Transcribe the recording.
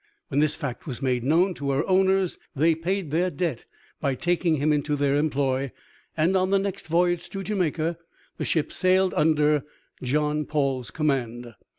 When this fact was made known to her owners they paid their debt by taking him into their employ, and on the next voyage to Jamaica the ship sailed under John Paul's command.